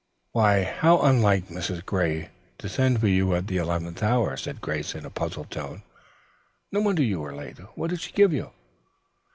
"Why, how unlike Mrs. Gray to send for you at the eleventh hour," said Grace in a puzzled tone. "No wonder you were late. What did she give you?"